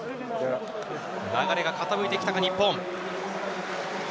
流れが傾いてきたか日本。